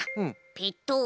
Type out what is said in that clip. ペト。